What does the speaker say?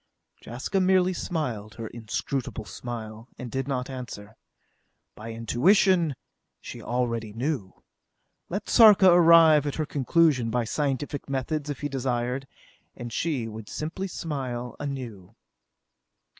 Jaska merely smiled her inscrutable smile, and did not answer. By intuition, she already knew. Let Sarka arrive at her conclusion by scientific methods if he desired, and she would simply smile anew.